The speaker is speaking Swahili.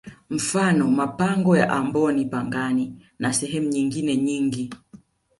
Mfano mapango ya amboni pangani na sehemu nyingine nyingi